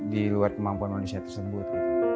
di luar kemampuan manusia tersebut